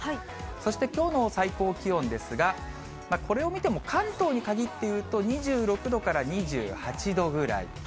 そして、きょうの最高気温ですが、これを見ても関東に限って言うと、２６度から２８度ぐらい。